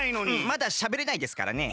まだしゃべれないですからね。